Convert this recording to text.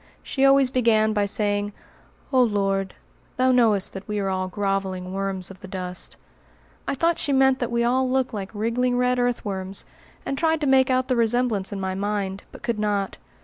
She always began by saying, "Oh Lord, Thou knowest that we are all groveling worms of the dust." I thought she meant that we all looked like wriggling red earthworms, and tried to make out the resemblance in my mind, but could not.